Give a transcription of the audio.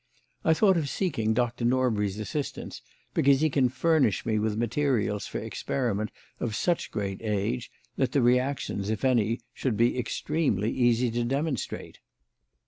I thought of seeking Doctor Norbury's assistance because he can furnish me with materials for experiment of such great age that the reactions, if any, should be extremely easy to demonstrate.